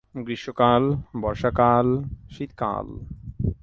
গ্রীষ্মকাল, বর্ষাকাল, শীতকাল।